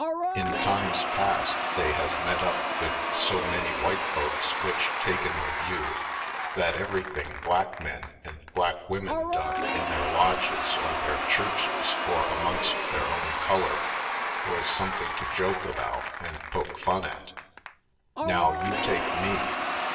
In times past they has met up with so many white folks which taken the view that everything black men and black women done in their lodges or their churches or amongst their own color was something to joke about and poke fun at. Now, you take me.